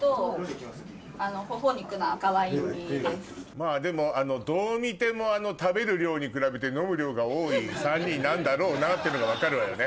まぁでもどう見ても食べる量に比べて飲む量が多い３人なんだろうなってのが分かるわよね。